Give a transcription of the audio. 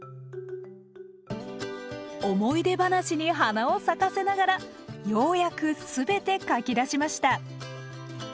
思い出話に花を咲かせながらようやくすべてかき出しました。